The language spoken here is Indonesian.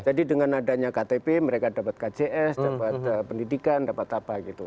jadi dengan adanya ktp mereka dapat kcs dapat pendidikan dapat apa gitu